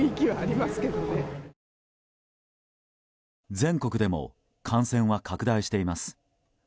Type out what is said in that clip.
全国でも感染は拡大しています。